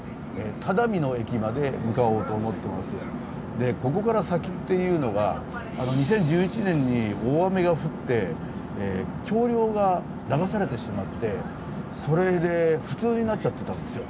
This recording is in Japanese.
でここから先っていうのが２０１１年に大雨が降って橋りょうが流されてしまってそれで不通になっちゃってたんですよ。